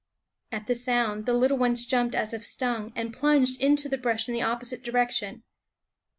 At the sound the little ones jumped as if ^ stung, and plunged into the brush in the opposite direction.